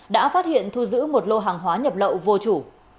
đã phát hiện thu giữ một lô hàng hóa nhập lậu vô chủ